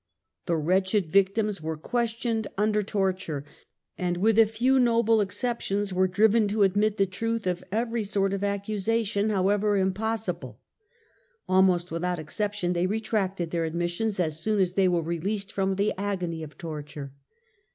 The wretched vic tims were questioned under torture, and with a few noble exceptions were driven to admit the truth of every sort of accusation, however impossible : almost without exception they retracted their admissions as soon as they were released from the agony of torture.